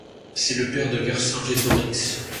C’est le père de Vercingétorix.